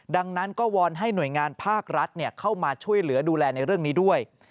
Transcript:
ดังนั้นก็วอนให้หน่วยงานภาครัฐเข้ามาช่วยเหลือดูแลในเรื่องนี้ด้วย